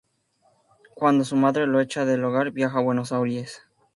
Cuando su madre lo echa del hogar viaja a Buenos Aires.